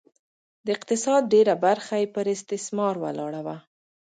د اقتصاد ډېره برخه یې پر استثمار ولاړه وه